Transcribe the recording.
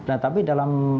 nah tapi dalam